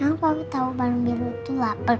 kenapa papa tau balon biru tuh lapar